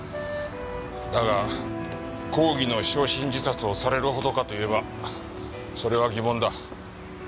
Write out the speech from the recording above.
だが抗議の焼身自殺をされるほどかと言えばそれは疑問だ。